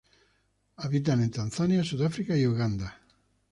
Habita en Tanzania, Sudáfrica y Uganda.